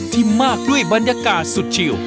มากด้วยบรรยากาศสุดชิว